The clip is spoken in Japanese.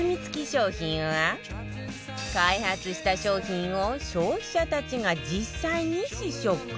商品は開発した商品を消費者たちが実際に試食